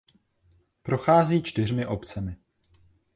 Prochází čtyřmi obcemi.